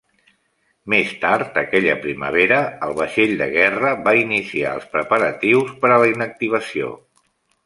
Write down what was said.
Més tard, aquella primavera el vaixell de guerra va iniciar els preparatius per a la inactivació.